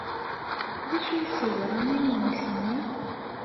D acu ay as-yeḍran i memmi-s-nni?